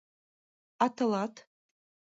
А тылат...